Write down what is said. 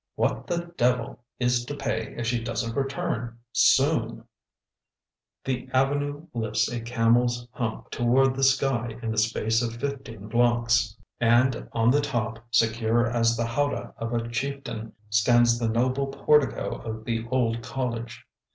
"What the devil is to pay if she doesn't return soon!" The avenue lifts a camel's hump toward the sky in the space of fifteen blocks, and on the top, secure as the howdah of a chieftain, stands the noble portico of the old college.